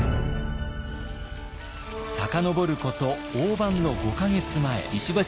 遡ること飯の５か月前。